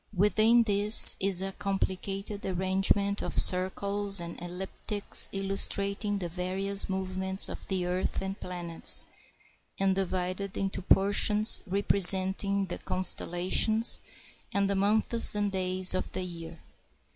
Within this is a complicated arrangement of circles and elliptics, illustrating the various movements of the earth and planets, and divided into portions representing the con stellations, and the months and days of the year.